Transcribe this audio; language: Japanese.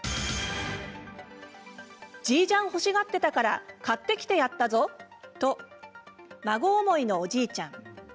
Ｇジャン欲しがっていたから買ってきてやったぞと孫思いのおじいちゃん。